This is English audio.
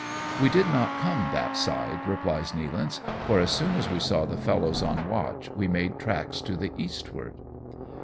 " We did not come that side," replies Nealance, " for as soon as we saw the fellows on watch we made tracks to the eastward."